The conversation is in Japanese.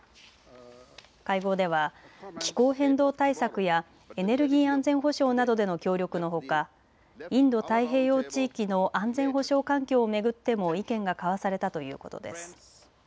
会合では気候変動対策やエネルギー安全保障などでの協力のほかインド太平洋地域の安全保障環境を巡っても意見が交わされたということです。